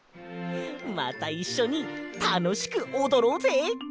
またいっしょにたのしくおどろうぜ！